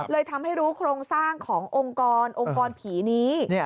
เลยทำให้รู้โครงสร้างขององค์กรองค์กรผีนี้